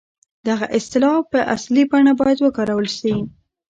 دغه اصطلاح په اصلي بڼه بايد وکارول شي.